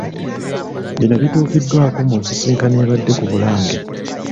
Bino bituukiddwako mu nsisinkano ebadde ku Bulange.